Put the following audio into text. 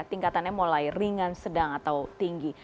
tingkatannya mulai ringan sedang atau tinggi